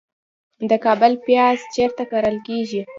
د کابل پیاز چیرته کرل کیږي؟